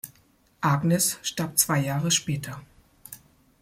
Agnes starb zwei Jahre später.